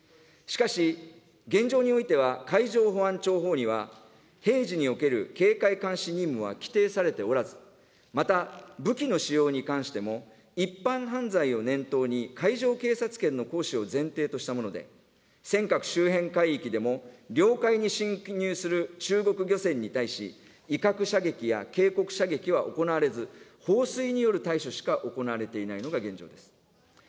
しかし、現状においては、海上保安庁法には、平時における警戒監視任務は規定されておらず、また、武器の使用に関しても、一般犯罪を念頭に、海上警察権の行使を前提としたもので、尖閣周辺海域でも、領海に侵入する中国漁船に対し、威嚇射撃や警告射撃は行われず、放水による対処しか行われていないのが現状です。